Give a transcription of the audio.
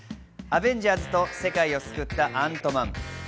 アベンジャーズと世界を救ったアントマン。